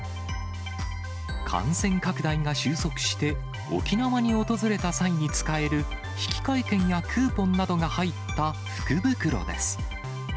感染拡大が収束して、沖縄に訪れた際に使える引換券やクーポンなどが入った福袋です。